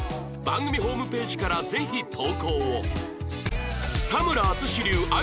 番組ホームページからぜひ投稿を